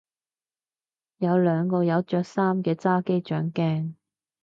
有兩個有着衫嘅揸機掌鏡